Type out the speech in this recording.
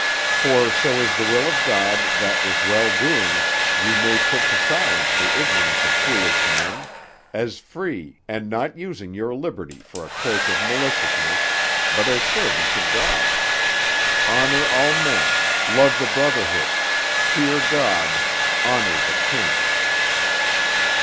For, so is the will of God, that with well doing ye may put to silence the ignorance of foolish men; as free, and not using your liberty for a cloak of maliciousness, but as servants of God. Honour all men: love the brotherhood: fear God: honour the king.'